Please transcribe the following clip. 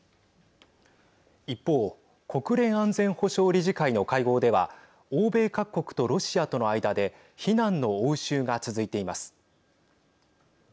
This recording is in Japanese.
一方、国連安全保障理事会の会合では欧米各国とロシアとの間で非難の応酬が続いています。